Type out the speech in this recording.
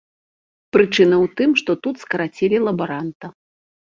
Прычына ў тым, што тут скарацілі лабаранта.